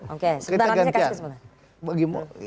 oke sekarang kasih kesempatan